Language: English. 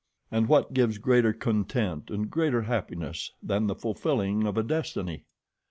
And what gives greater content and greater happiness than the fulfilling of a destiny?